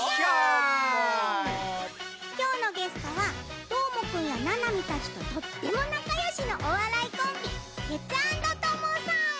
きょうのゲストはどーもくんやななみたちととってもなかよしのおわらいコンビテツａｎｄトモさん。